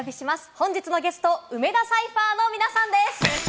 本日のゲスト、梅田サイファーの皆さんです。